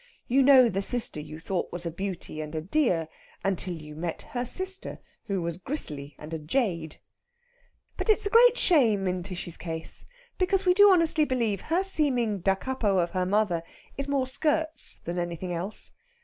You know the sister you thought was a beauty and dear, until you met her sister, who was gristly and a jade. But it's a great shame in Tishy's case, because we do honestly believe her seeming da capo of her mother is more skirts than anything else.